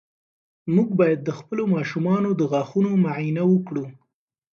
موږ باید د خپلو ماشومانو د غاښونو معاینه وکړو.